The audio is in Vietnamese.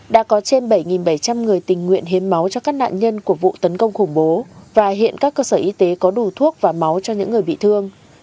đã có trên bảy bảy trăm linh người tình nguyện hiến máu cho các nạn nhân của vụ tấn công khủng bố và hiện các cơ sở y tế có đủ thuốc và máu cho những người bị thương